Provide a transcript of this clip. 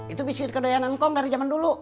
itu biskit kedoyanan kong dari zaman dulu